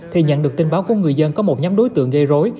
thì nhận được tin báo của người dân có một nhóm đối tượng gây rối